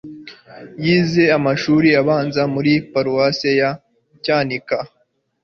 Yize amashuri abanza muri Paruwasi ya Cyanika